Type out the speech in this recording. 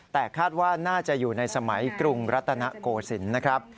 แต่คาดว่าน่าจะอยู่ในสมัยกรุงรัตนโกศิลป์นะครับ